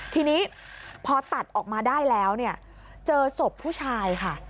ทีนี้พอตัดออกมาได้แล้วเนี่ยเจอศพผู้ชายค่ะ